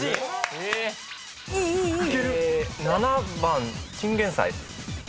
え７番チンゲンサイ。